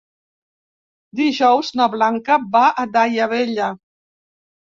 Dijous na Blanca va a Daia Vella.